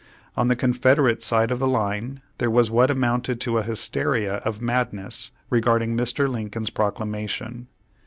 On the Confederate side of the line there was what amounted to a hysteria of madness regard ing Mr, Lincoln's Proclamation.